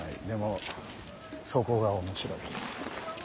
でもそこが面白い。